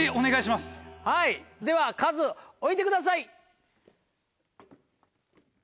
はいではカズ置いてください。